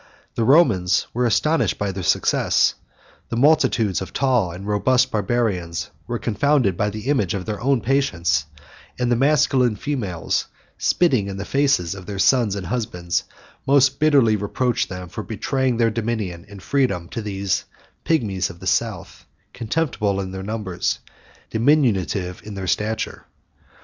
108 The Romans were astonished by their success; the multitudes of tall and robust Barbarians were confounded by the image of their own patience and the masculine females, spitting in the faces of their sons and husbands, most bitterly reproached them for betraying their dominion and freedom to these pygmies of the south, contemptible in their numbers, diminutive in their stature.